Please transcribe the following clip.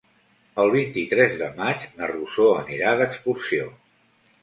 El vint-i-tres de maig na Rosó anirà d'excursió.